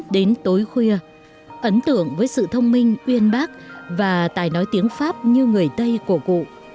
đến tối khuya ấn tượng với sự thông minh uyên bác và tài nói tiếng pháp như người tây của cụ